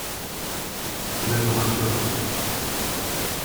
Cela nous rassurerait.